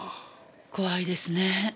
怖いですねえ。